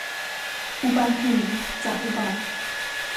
อุบัติเหตุจะอุบัติ